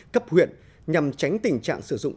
cấp huyện nhằm tránh tình trạng sử dụng